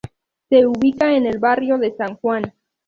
Se ubica en el Barrio de San Juan.